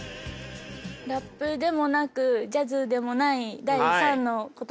ラップでもなくジャズでもない第３の答え？